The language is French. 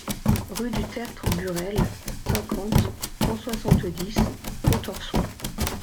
Rue du Tertre Burel, cinquante, cent soixante-dix Pontorson